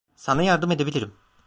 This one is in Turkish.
Sana yardım edebilirim.